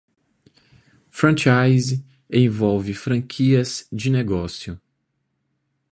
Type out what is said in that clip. Franchise envolve franquias de negócios.